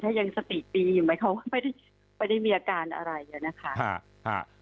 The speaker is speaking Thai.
ถ้ายังสติดปีอยู่ไหมเขาไม่ได้มีอาการอะไรเลยนะคะ